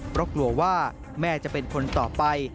เพราะกลัวว่าแม่จะเป็นคนต่อไป